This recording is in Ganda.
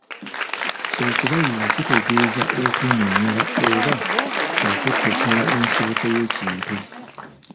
Okubaluula kitegeeza okunnyonnyola oba okutottola ensibuko y’ekintu.